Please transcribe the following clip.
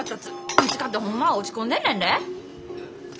ウチかてホンマは落ち込んでんねんで！